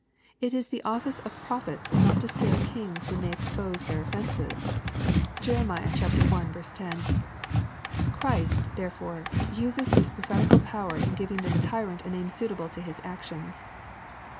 * It is the office of prophets not to spare kings when they expose their of fences. (Jer. i. 10.) Christ, therefore, uses His prophetical power in giving this tjnant a name suitable to his actions."